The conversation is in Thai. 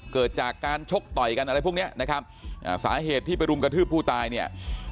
เกิดจากการชกต่อยกันอะไรพวกเนี้ยนะครับอ่าสาเหตุที่ไปรุมกระทืบผู้ตายเนี่ย